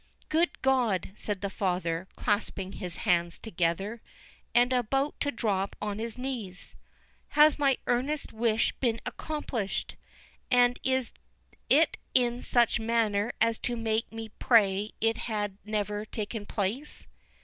"Good God!" said the father, clasping his hands together, and about to drop on his knees, "has my earnest wish been accomplished! and is it in such a manner as to make me pray it had never taken place!"